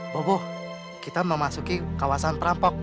bobo kita mau masuk ke kawasan perampok